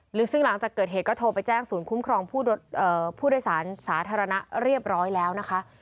หรือซึ่งหลังจากเกิดเหตุก็โทรไปแจ้งศูนย์คุ้มครองผู้โดยสารสาธารณะเรียบร้อยแล้วนะคะ